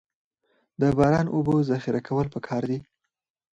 د باران اوبو ذخیره کول پکار دي